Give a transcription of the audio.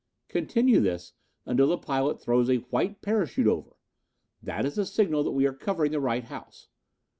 Continue this until the pilot throws a white parachute over. That is the signal that we are covering the right house.